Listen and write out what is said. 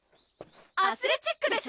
アスレチックです！